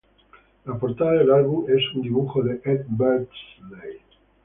La portada del álbum es un dibujo de Ed Beardsley.